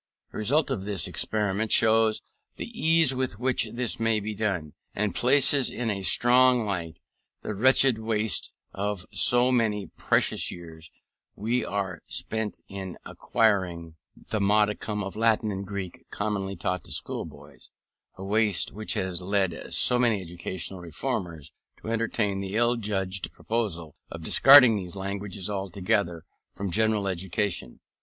The result of the experiment shows the ease with which this may be done, and places in a strong light the wretched waste of so many precious years as are spent in acquiring the modicum of Latin and Greek commonly taught to schoolboys; a waste which has led so many educational reformers to entertain the ill judged proposal of discarding these languages altogether from general education.